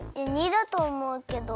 ②だとおもうけど。